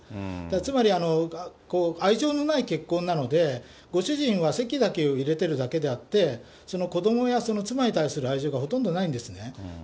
つまり愛情のない結婚なので、ご主人は籍だけ入れてるだけであって、子どもや妻に対する愛情がほとんどないんですね。